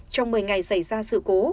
trong một mươi ngày xảy ra sự cố